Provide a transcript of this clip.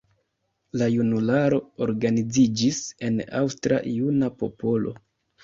La junularo organiziĝis en Aŭstra Juna Popolo.